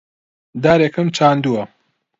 دارێکم چاندووە.